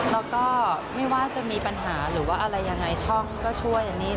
แล้วก็ไม่ว่าจะมีปัญหาหรือว่าอะไรยังไงช่องก็ช่วยอันนี้